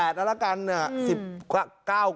๑๘ก็ละกันนะ๑๙กว่าแล้ว